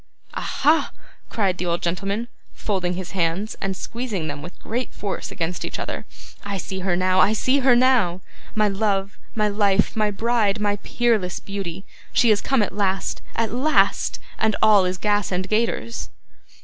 'Aha!' cried the old gentleman, folding his hands, and squeezing them with great force against each other. 'I see her now; I see her now! My love, my life, my bride, my peerless beauty. She is come at last at last and all is gas and gaiters!